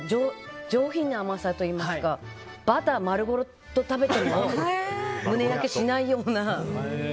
上品な甘さといいますかバター丸ごと食べても胸焼けしないような。